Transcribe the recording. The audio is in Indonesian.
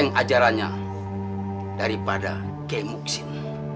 dia lebih berkejarannya daripada k muxin